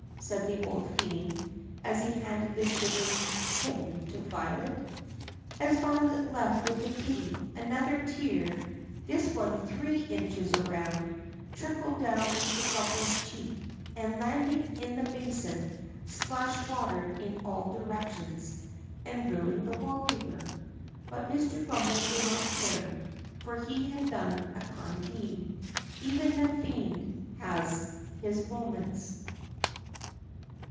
said the old fiend as he handed the shivering kitten to Violet. As Violet left with the kitty, another tear, this one three THE PUSSYCAT PRINCESS 9 inches around, trickled down Mr. Grummbers cheek and, land ing in the basin, splashed water in all directions, and ruined the wall paper. But Mr. Grummbel did not care, for he had done a kind deed. Even a fiend has his moments.